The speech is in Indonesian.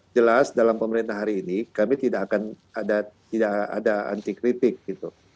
jelas dalam pemerintahan hari ini kami tidak akan ada anti kritik gitu